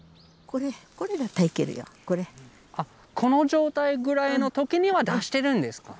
この状態ぐらいの時には出してるんですか？